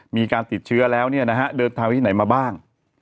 มีการติดเชื้อแล้วเดินทางที่ไหนมาบ้าง